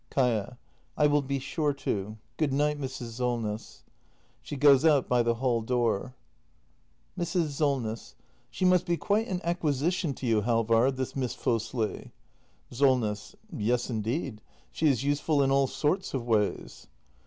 Kaia. I will be sure to. Good night, Mrs. Solness. [She goes out by the hall door. Mrs. Solness. She must be quite an acquisition to you, Halvard, this Miss Fosli. Solness. Yes, indeed. She is useful in all sorts of ways.